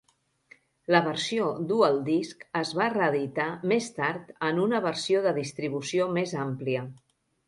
La versió DualDisc es va reeditar més tard en una versió de distribució més àmplia.